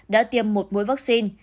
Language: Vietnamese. đã tiêm một mũi vaccine